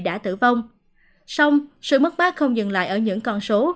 sau đó sự mất mát không dừng lại ở những con số